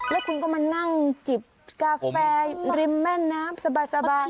แล้วคุณก็มานั่งสนุนไปกาแฟ